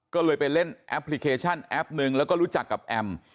ก็เลยไปเล่นแอปพลิเคชันแอปนึงแล้วก็รู้จักกับแอม